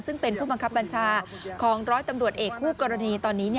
ซึ่งเป็นผู้บังคับบัญชาของร้อยตำรวจเอกคู่กรณีตอนนี้